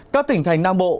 các tỉnh thành nam bộ